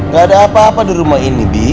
gak ada apa apa di rumah ini bi